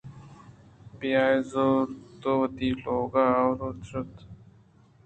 بہائے زُرت ءُ وتی لوگءَ آئورت اِش